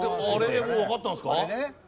あれでもうわかったんですか？